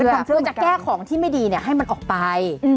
ทำเพื่อจะแก้ของที่ไม่ดีให้มันออกไป